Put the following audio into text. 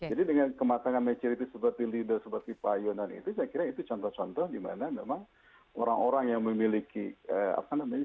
jadi dengan kematangan maturity seperti leader seperti pak yonan itu saya kira itu contoh contoh gimana memang orang orang yang memiliki apa namanya